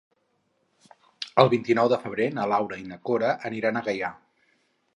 El vint-i-nou de febrer na Laura i na Cora aniran a Gaià.